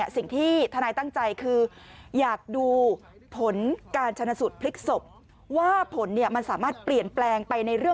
สิ่งที่ธนายตั้งใจคือ